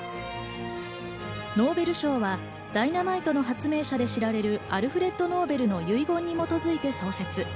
ノーベル賞はダイナマイトの発明者で知られる、アルフレッド・ノーベルの遺言に基づいて創設。